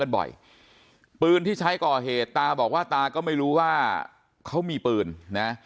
บ่อยปืนที่ใช้ก่อเหตุตาบอกว่าตาก็ไม่รู้ว่าเขามีปืนนะ